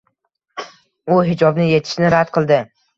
U hijobni yechishni rad qildi!